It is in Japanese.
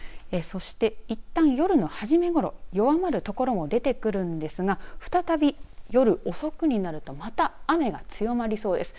そして、いったん夜の初めごろ弱まる所も出てくるんですが再び、夜遅くになると、また雨が強まりそうです。